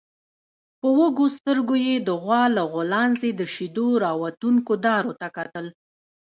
په وږو سترګويې د غوا له غولانځې د شيدو راوتونکو دارو ته کتل.